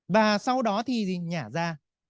và sau đó thì nhả ra